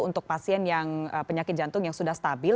untuk pasien yang penyakit jantung yang sudah stabil